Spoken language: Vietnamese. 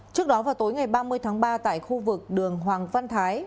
trước đó vào tối ngày ba mươi tháng ba tại khu vực đường hoàng văn thái